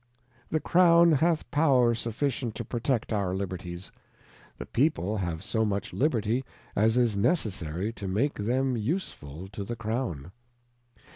The Crown hath power sufiicient to protect our Liberties. The People have so much Liberty as is necessary to make them useful to the Crown.